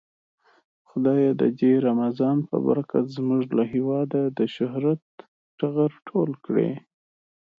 خدايه د دې رمضان په برکت زمونږ له هيواده د شهرت ټغر ټول کړې.